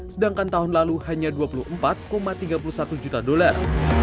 sedangkan tahun lalu hanya dua puluh empat tiga puluh satu juta dolar